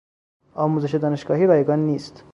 آموزش دانشگاهی رایگان نیست.